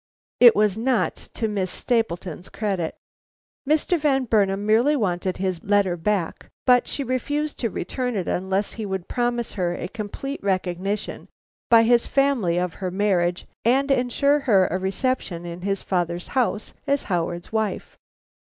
It was not to Miss Stapleton's credit. Mr. Van Burnam merely wanted his letter back, but she refused to return it unless he would promise her a complete recognition by his family of her marriage and ensure her a reception in his father's house as Howard's wife.